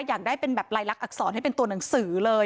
อยากได้เป็นแบบลายลักษณอักษรให้เป็นตัวหนังสือเลย